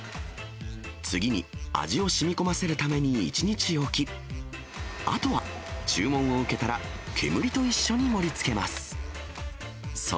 次に味をしみこませるために１日おき、あとは注文を受けたら、煙と一緒に盛りつけます。